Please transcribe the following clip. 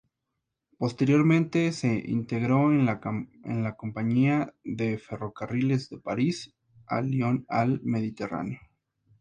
Posteriormente se integró en la compañía de ferrocarriles de París a Lyon al Mediterráneo.